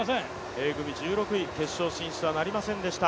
Ａ組１６位、決勝進出はなりませんでした。